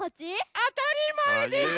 あたりまえでしょ。